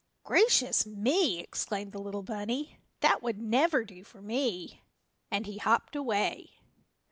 "Gracious me!" exclaimed the little bunny, "that would never do for me!" and he hopped away.